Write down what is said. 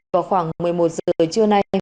vào khoảng một mươi một giờ trưa nay